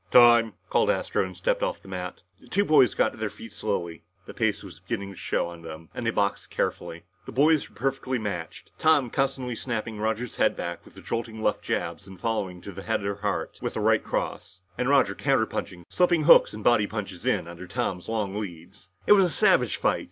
"Time!" called Astro and stepped off the mat. The two boys got to their feet slowly. The pace was beginning to show on them and they boxed carefully. The boys were perfectly matched, Tom constantly snapping Roger's head back with the jolting left jabs and following to the head or heart with a right cross. And Roger counterpunching, slipping hooks and body punches in under Tom's long leads. It was a savage fight.